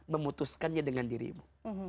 memutuskannya dengan dirimu